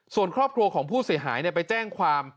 ส่วนครอบครัวของผู้เสียหายไปแจ้งความ